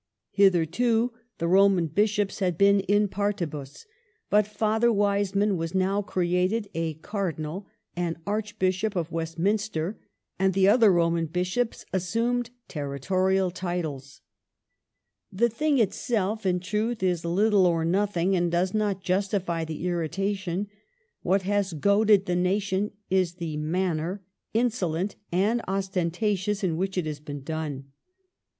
Hitherto the Roman Bishops had been in partihus, but Father Wiseman was now created a Cardinal and Archbishop of Westminster, and the other Roman Bishops assumed territorial titles. " The thing itself, in truth, is little or nothing and does not justify the irritation. What has goaded the nation is the manner, insolent and ostentatious, in which it has been done."